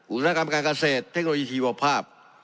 อุตสาหกรรมการเกษตรเทคโนโลยีชีวภาพ